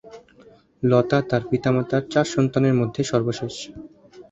লতা তার পিতা-মাতার চার সন্তানের মধ্যে সর্বশেষ।